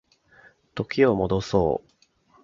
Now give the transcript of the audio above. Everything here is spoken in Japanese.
時を戻そう